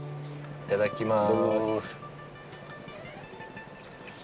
いただきます。